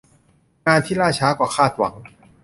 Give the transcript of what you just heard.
งานที่ล่าช้ากว่าคาดหวัง